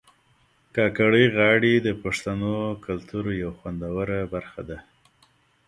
کاکړۍ غاړي د پښتنو کلتور یو خوندوره برخه ده